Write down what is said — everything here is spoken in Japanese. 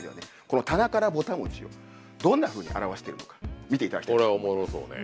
この「棚からぼた」をどんなふうに表しているのか見て頂きたいと思います。